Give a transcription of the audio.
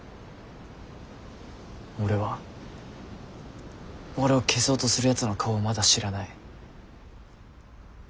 俺は俺を消そうとするやつの顔をまだ知らない。